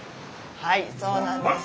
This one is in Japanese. はいそうなんです。